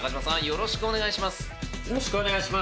よろしくお願いします。